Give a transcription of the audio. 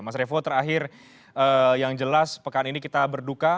mas revo terakhir yang jelas pekan ini kita berduka